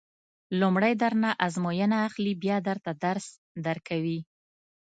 لومړی درنه ازموینه اخلي بیا درته درس درکوي.